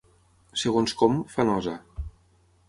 Segons com, fa nosa.